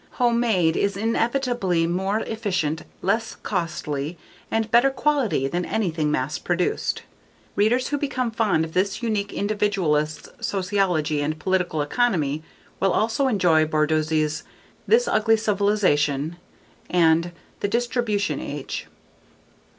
Homemade is inevitably more efficient, less costly, and better quality than anything mass produced. Readers who become fond of this unique individualist's sociology and political economy will also enjoy Borsodi's _This Ugly Civilization _and _The Distribution Age.